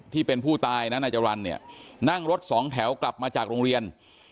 ที่เป็นผู้ตายนะนายจรรย์เนี่ยนั่งรถสองแถวกลับมาจากโรงเรียน